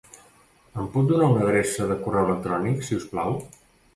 Em pot donar una adreça de correu electrònic, si us plau?